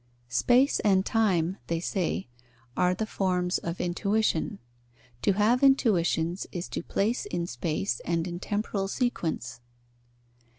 Space and time (they say) are the forms of intuition; to have intuitions is to place in space and in temporal sequence.